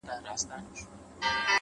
انسان د خپل فکر په اندازه لوی وي’